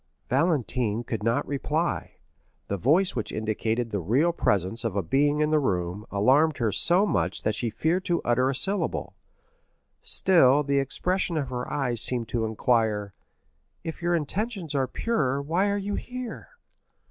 Valentine could not reply; the voice which indicated the real presence of a being in the room, alarmed her so much that she feared to utter a syllable; still the expression of her eyes seemed to inquire, "If your intentions are pure, why are you here?"